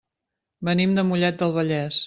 Venim de Mollet del Vallès.